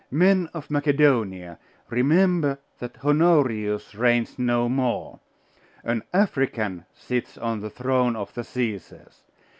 Men of Macedonia, remember that Honorius reigns no more! An African sits on the throne of the Caesars!